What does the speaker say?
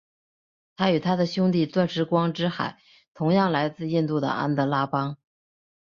它与它的兄弟钻石光之海同样来自印度的安德拉邦。